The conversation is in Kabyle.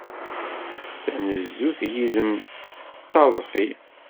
Tanezzut yid-m d taḍfi.